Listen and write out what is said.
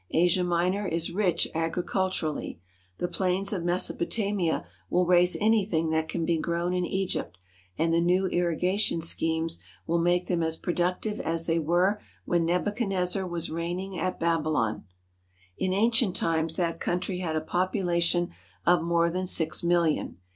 Asia Minor is rich agriculturally. The plains of Mesopotamia will raise anything that can be grown in Egypt, and the new irrigation schemes will make them as productive as they were when Nebuchadnezzar was reigning at Babylon. In ancient times that country had a population of more than six million.